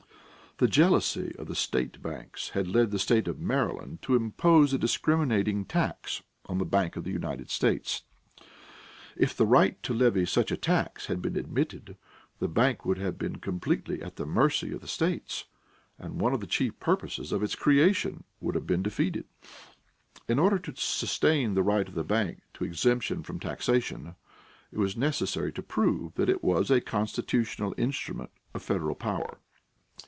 The jealousy of the state banks had led the State of Maryland to impose a discriminating tax on the Bank of the United States. If the right to levy such a tax had been admitted, the Bank would have been completely at the mercy of the states, and one of the chief purposes of its creation would have been defeated. In order to sustain the right of the bank to exemption from taxation, it was necessary to prove that it was a constitutional instrument of federal power.